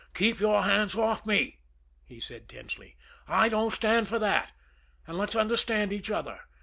"Keep your hands off me!" he said tensely. "I don't stand for that! And let's understand each other.